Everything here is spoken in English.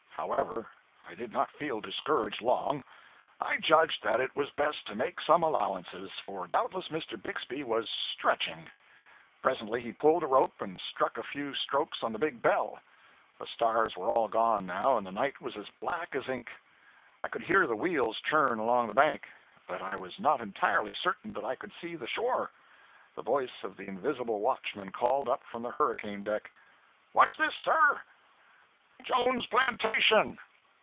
However, I did not feel discouraged long. I judged that it was best to make some allowances, for doubtless Mr. Bixby was 'stretching.' Presently he pulled a rope and struck a few strokes on the big bell. The stars were all gone now, and the night was as black as ink. I could hear the wheels churn along the bank, but I was not entirely certain that I could see the shore. The voice of the invisible watchman called up from the hurricane deck 'What's this, sir?' 'Jones's plantation.'